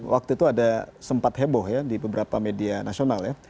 waktu itu ada sempat heboh ya di beberapa media nasional ya